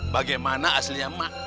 bagaimana aslinya mak